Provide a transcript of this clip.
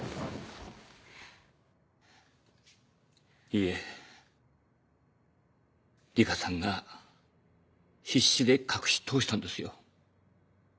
いえ梨花さんが必死で隠し通したんですよ。